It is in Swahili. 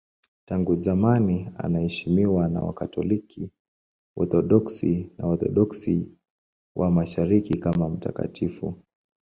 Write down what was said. Tangu zamani anaheshimiwa na Wakatoliki, Waorthodoksi na Waorthodoksi wa Mashariki kama mtakatifu.